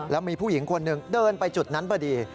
แล้วมีผู้หญิงคนหนึ่งเดินไปจุดนั้นพอดี